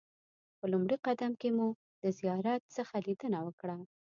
په لومړي قدم کې مو د زیارت څخه لیدنه وکړه.